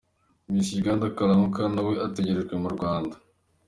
Miss Uganda Kalanguka nawe ategerejwe mu Rwanda.